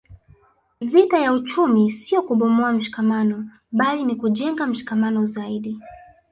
Vita ya uchumi sio kubomoa mshikamano bali ni kujenga mshikamano zaidi